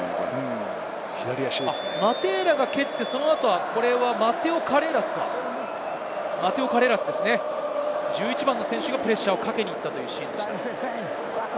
マテーラが蹴って、マテオ・カレーラスですか、１１番の選手がプレッシャーをかけに行ったというシーンでした。